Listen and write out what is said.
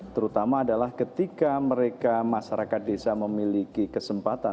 terutama adalah ketika mereka masyarakat desa memiliki kesempatan